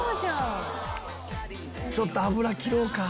「ちょっと油切ろうか」